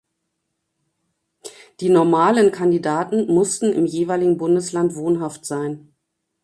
Die „normalen“ Kandidaten mussten im jeweiligen Bundesland wohnhaft sein.